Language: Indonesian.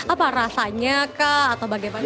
apa rasanya kah atau bagaimana